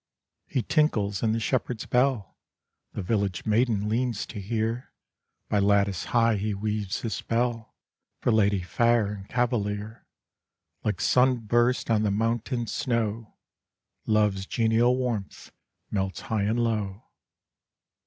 He tinkles in the shepherd s bell The village maiden leans to hear By lattice high he weaves his spell, For lady fair and cavalier : Like sun bursts on the mountain snow, Love s genial warmth melts high and low.